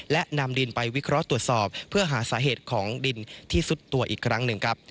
และนำดินไปวิเคราะห์ตรวจสอบเพื่อหาสาเหตุของดินที่สุดตัวอีกครั้งหนึ่งครับ